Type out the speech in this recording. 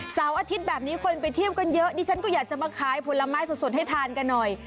เสาร์อาทิตย์แบบนี้คนไปเที่ยวกันเยอะดิฉันก็อยากจะมาขายผลไม้สดให้ทานกันหน่อย